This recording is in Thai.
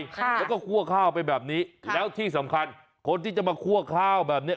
ค่ะแล้วก็คั่วข้าวไปแบบนี้แล้วที่สำคัญคนที่จะมาคั่วข้าวแบบเนี้ย